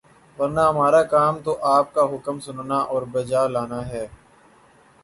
ورنہ ہمارا کام تو آپ کا حکم سننا اور بجا لانا ہے۔